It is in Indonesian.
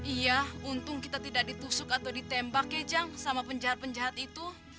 iya untung kita tidak ditusuk atau ditembak kejang sama penjahat penjahat itu